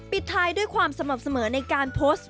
ปิดท้ายด้วยความสม่ำเสมอในการโพสต์